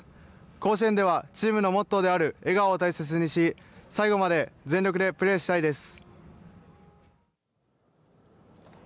甲子園ではチームのモットーである「笑顔」を大切にし最後まで全力でプレーしたいです。